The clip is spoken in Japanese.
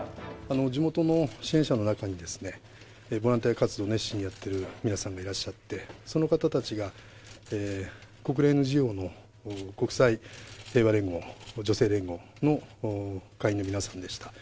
地元の支援者の中にですね、ボランティア活動を熱心にやってらっしゃる皆さんがいらっしゃって、その方たちが国連事業の国際平和連合、女性連合の会員の皆さんでした。